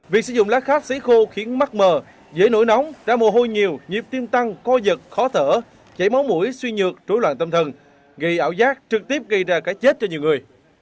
việc sử dụng lá khát xấy khô khiến mắt mờ dễ nổi nóng ra mồ hôi nhiều nhiệm tiêm tăng co giật khó thở chảy máu mũi suy nhược trối loạn tâm thần gây ảo giác trực tiếp gây ra cái chết cho nhiều người